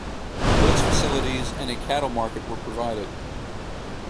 Goods facilities and a cattle market were provided.